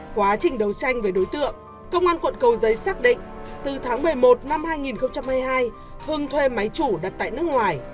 quá trình đấu tranh về đối tượng công an quận cầu giấy xác định từ tháng một mươi một năm hai nghìn hai mươi hai vương thuê máy chủ đặt tại nước ngoài